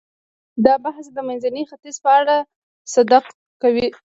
دا بحث د منځني ختیځ په اړه صدق کوي.